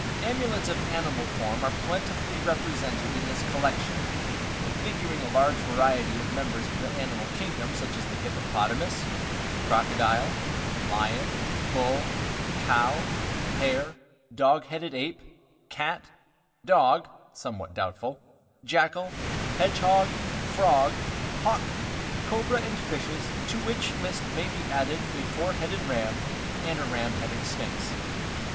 Amulets of animal form are plentifully represented in this collection, figuring a large variety of members of the animal kingdom such as the hippopotamus, crocodile, lion, bull, cow, hare, dog headed ape, cat, dog (somewhat doubtful), jackal, hedgehog, frog, hawk, cobra and fishes, to which list may be added a four headed ram and a ram headed sphinx.